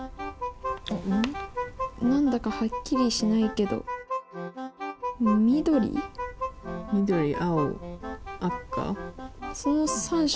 何だかはっきりしないけどその３色。